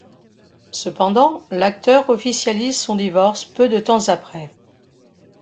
Cependant, l'acteur officialise son divorce peu de temps après.